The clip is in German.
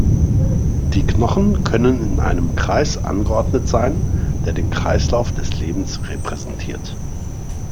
Die Knochen können in einem Kreis angeordnet sein, der den Kreislauf des Lebens repräsentiert.